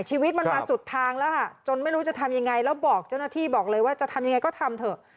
ชีวิตมันมาสุดทางแล้วค่ะจนไม่รู้จะทำยังไงแล้วบอกเจ้าหน้าที่บอกเลยว่าจะทำยังไงก็ทำเถอะ